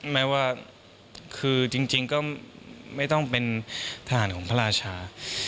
แม้ว่าคือจริงก็ไม่ต้องเป็นทหารของพระราชา